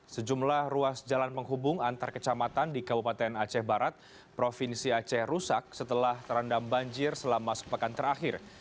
sejumlah ruas jalan penghubung antar kecamatan di kabupaten aceh barat provinsi aceh rusak setelah terendam banjir selama sepekan terakhir